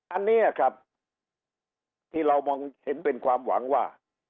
อันนี้ครับที่เรามองเห็นเป็นความหวังว่า